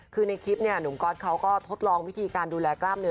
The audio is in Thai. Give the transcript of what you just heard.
คือในคลิปเนี่ยหนุ่มก๊อตเขาก็ทดลองวิธีการดูแลกล้ามเนื้อ